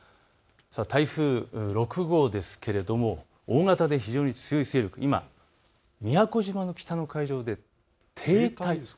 台風６号ですが大型で非常に強い勢力、今、宮古島の北の海上で停滞です。